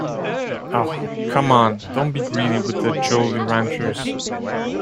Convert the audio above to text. Oh, come on, don't be greedy with the Jolly Ranchers.